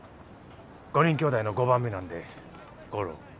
５人きょうだいの５番目なんで五郎。